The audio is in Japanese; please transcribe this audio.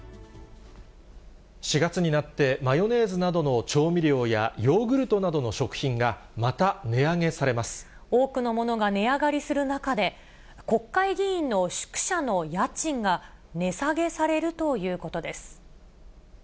４月になってマヨネーズなどの調味料やヨーグルトなどの食品多くのものが値上がりする中で、国会議員の宿舎の家賃が値下げされるということです。